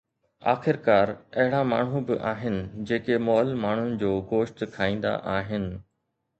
آخرڪار، اهڙا ماڻهو به آهن جيڪي مئل ماڻهن جو گوشت کائيندا آهن.